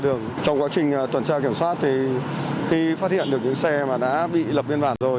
trong quá trình tuần tra kiểm soát thì khi phát hiện được những xe mà đã bị lập biên bản rồi